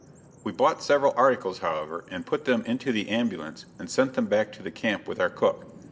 We bought several articles, however, and put them into the ambulance and sent them back to the camp with our cook.